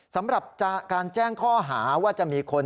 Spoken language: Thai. สำหรับการแจ้งข้อหาว่าจะมีคน